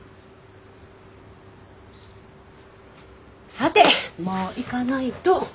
さてもう行かないと。